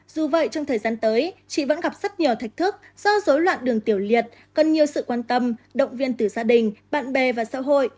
dù vậy trong thời gian tới chị vẫn gặp rất nhiều thách thức do dối loạn đường tiểu liệt cần nhiều sự quan tâm động viên từ gia đình bạn bè và xã hội